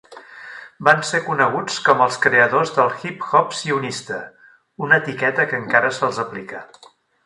Van ser coneguts com els creadors del "Hip-hop sionista", una etiqueta que encara se'ls aplica.